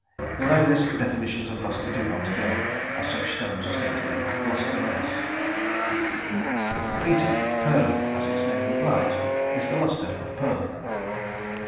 Below this, the definitions of lustre do not go, as such stones are said to be lustreless. ([beta]) Pearly, as its name implies, is the lustre of a pearl.